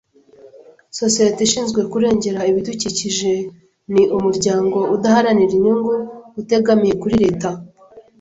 Sosiyete ishinzwe kurengera ibidukikije ni umuryango udaharanira inyungu, utegamiye kuri Leta.